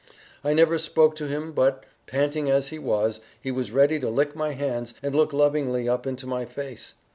I never spoke to him but, panting as he was, he was ready to lick my hands and look lovingly up into my face.